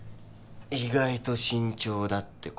意外と慎重だって事。